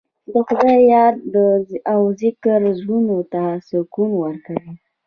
د خدای یاد او ذکر زړونو ته سکون ورکوي.